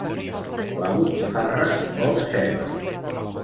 La botifarra vol ceba.